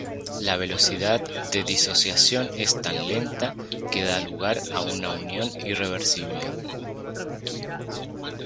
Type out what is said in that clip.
La velocidad de disociación es tan lenta que da lugar a una unión irreversible.